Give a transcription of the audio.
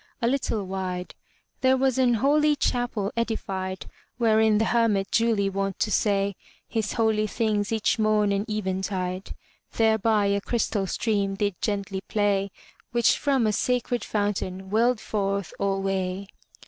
A little wide There was an holy Chapel edified. Wherein the Hermit duly wont to say His holy things each morn and eventide. Thereby a crystal stream did gently play, Which from a sacred fountain welled forth alway.